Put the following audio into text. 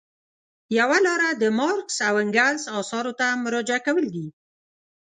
یوه لاره د مارکس او انګلز اثارو ته مراجعه کول دي.